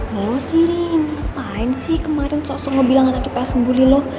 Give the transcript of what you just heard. lo sih rin ngapain sih kemarin sok sok ngebilangan lagi pas sembuli lo